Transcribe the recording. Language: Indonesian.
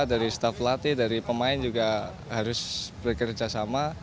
dari staf latih dari pemain juga harus bekerja sama